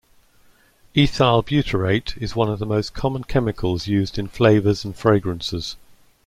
Ethyl butyrate is one of the most common chemicals used in flavors and fragrances.